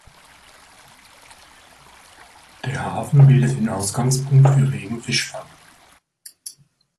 Der Hafen bildet den Ausgangspunkt für regen Fischfang.